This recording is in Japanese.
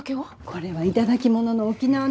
これは頂き物の沖縄の古酒。